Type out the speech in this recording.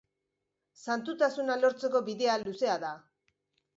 Santutasuna lortzeko bidea luzea da.